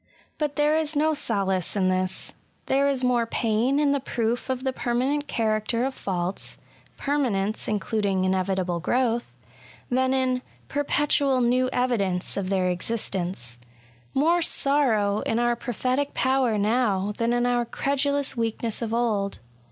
But there is no solace in this. There is more pain in the proof of the permanent character of faults (per manence including inevitable growth), than in * perpetual niew evidence of their existence ; more sorrow in our prophetic power now than in our credulous weakness of old.